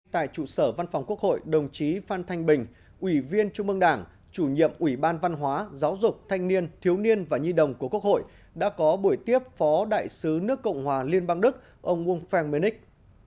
tại trụ sở văn phòng quốc hội đồng chí phan thanh bình ủy viên trung ương đảng chủ nhiệm ủy ban văn hóa giáo dục thanh niên thiếu niên và nhi đồng của quốc hội đã có buổi tiếp phó đại sứ nước cộng hòa liên bang đức ông feng menik